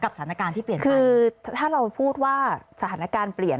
สถานการณ์ที่เปลี่ยนคือถ้าเราพูดว่าสถานการณ์เปลี่ยน